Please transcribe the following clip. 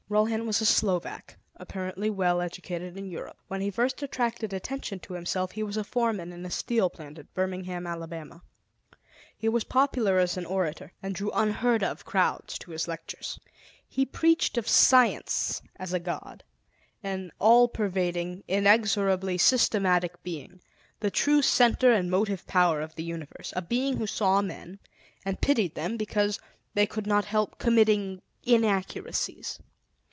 Rohan was a Slovak, apparently well educated in Europe. When he first attracted attention to himself, he was foreman in a steel plant at Birmingham, Alabama. He was popular as an orator, and drew unheard of crowds to his lectures. He preached of Science as God, an all pervading, inexorably systematic Being, the true Center and Motive Power of the Universe; a Being who saw men and pitied them because they could not help committing inaccuracies.